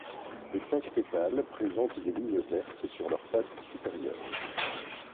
Les cinq pétales présentent des lignes vertes sur leur face supérieure.